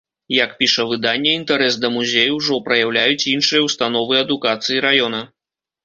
Як піша выданне, інтарэс да музею ўжо праяўляюць іншыя ўстановы адукацыі раёна.